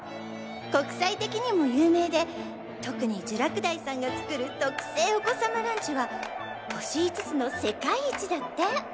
国際的にも有名で特に聚楽大さんが作る「特製お子さまランチ」は星５つの世界一だって！